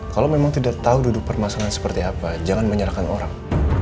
kalau memang tidak tahu duduk permasalahan seperti apa jangan menyerahkan orang